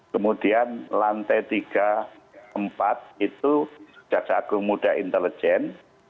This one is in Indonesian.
kemudian lantai tiga empat itu jaksa agung muda intelijen